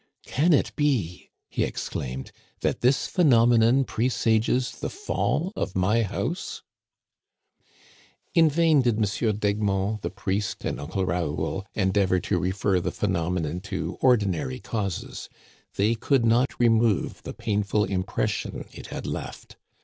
Can it be," he exclaimed, that this phenomenon presages the fall of my house !" In vain did M. d'Egmont, the priest, and Uncle Raoul endeavor to refer the phenomenon to ordinary causes ; they could not remove the painful impression it had left.